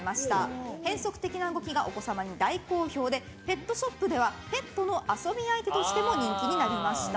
変則的な動きがお子様に大好評でペットショップではペットの遊び相手としても人気になりました。